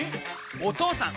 お義父さん！